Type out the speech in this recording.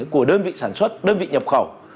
của đơn vị sản xuất đơn vị nhập khẩu